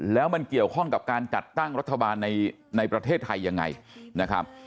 แล้วมันเกี่ยวข้องกับการจัดตั้งรัฐบาลในประเทศไทยยังไงนะครับ